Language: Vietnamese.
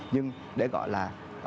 nhưng để gọi là